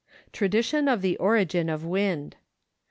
Tradition of the Origin of Wind.